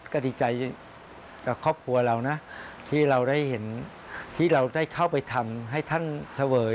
ก็ดีใจกับครอบครัวเรานะที่เราได้เข้าไปทำให้ท่านเสวย